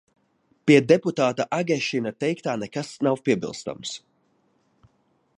Pie deputāta Agešina teiktā nekas nav piebilstams.